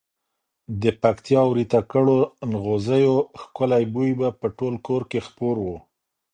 د پکتیا ورېته کړو زڼغوزیو ښکلی بوی به په ټول کور کې خپور وو.